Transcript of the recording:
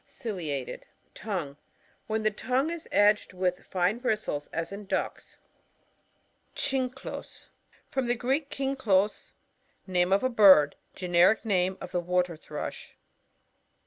Ciliated (tongue) — Wht n the tongue is edged with fine bristles, as in ducks. CiNCLus. — From the Greek, kigklo$, name of a bird. Generic name of the Water thrush.